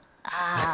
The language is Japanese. ああ。